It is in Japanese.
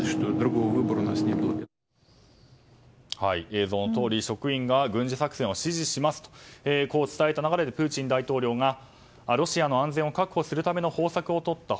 映像のとおり職員が軍事作戦を支持しますとこう伝えた流れでプーチン大統領がロシアの安全を確保するための方策をとった。